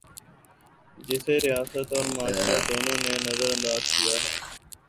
جسے ریاست اور معاشرہ، دونوں نے نظر انداز کیا ہے۔